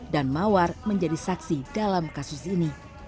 dan mawar menjadi saksi dalam kasus ini